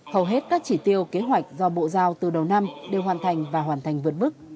hầu hết các chỉ tiêu kế hoạch do bộ giao từ đầu năm đều hoàn thành và hoàn thành vượt mức